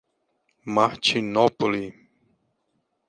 Martinópole